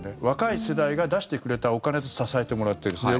若い世代が出してくれたお金で支えてもらってる。